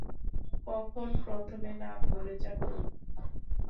কখন প্রথমে নাম ভুলে যাবো?